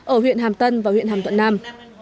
ở huyện hàm tân và huyện hàm tuận nam